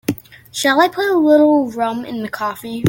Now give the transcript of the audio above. Shall I put a little rum in the coffee?